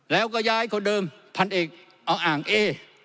แล้วก็ย้ายคนเดิมพันเอกเอาอ่างเอ